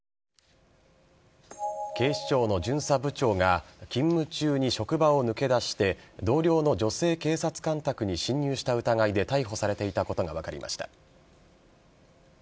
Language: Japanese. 警視庁の巡査部長が勤務中に職場を抜け出して同僚の女性警察官宅に侵入した疑いで逮捕されていたことが分かりました。